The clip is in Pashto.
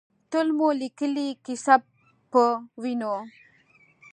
تل مو لیکلې ، کیسه پۀ وینو